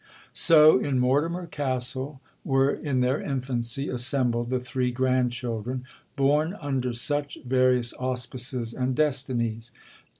'So in Mortimer Castle were, in their infancy, assembled the three grandchildren, born under such various auspices and destinies.